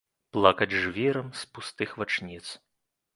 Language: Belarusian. Плакаць жвірам з пустых вачніц.